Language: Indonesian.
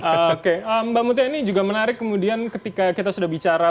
oke mbak mutia ini juga menarik kemudian ketika kita sudah bicara